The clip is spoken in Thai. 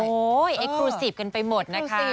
โอ๊ยคลูซิฟกันไปหมดนะคะ